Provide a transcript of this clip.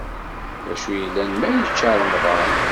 D acu yellan ma yečča remṭan!